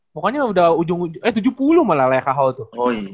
pokoknya udah ujung ujung eh tujuh puluh malah ya kho tuh